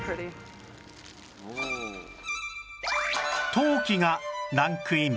陶器がランクイン